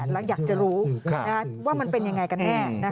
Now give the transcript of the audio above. แล้วอยากจะรู้ว่ามันเป็นยังไงกันแน่